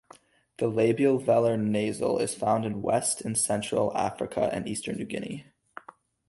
The labial-velar nasal is found in West and Central Africa and eastern New Guinea.